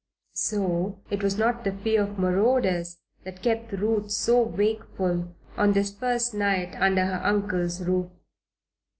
So it was not fear of marauders that kept Ruth so wakeful on this first night under her uncle's roof.